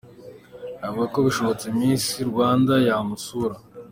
Avuga ko bishobotse Miss Rwanda yamusura.